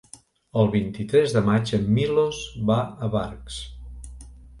El vint-i-tres de maig en Milos va a Barx.